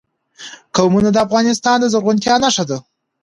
قومونه د افغانستان د زرغونتیا نښه ده.